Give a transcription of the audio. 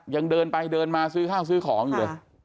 ยังเดินไปเดินมาซื้อข้าวซื้อของอยู่เลย